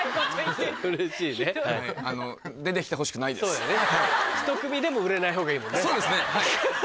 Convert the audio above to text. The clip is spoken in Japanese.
そうだよね。